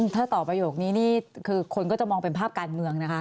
ถ้าตอบประโยคนี้นี่คือคนก็จะมองเป็นภาพการเมืองนะคะ